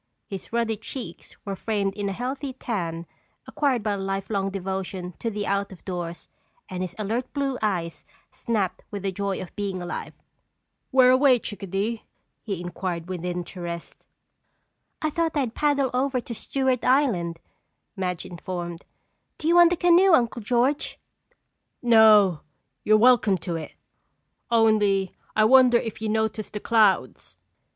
His ruddy cheeks were framed in a healthy tan acquired by a life long devotion to the out of doors and his alert, blue eyes snapped with the joy of being alive. "Where away, Chick a dee?" he inquired with interest. "I thought I'd paddle over to Stewart Island," Madge informed. "Do you want the canoe, Uncle George?" "No, you're welcome to it, only I wonder if you noticed the clouds."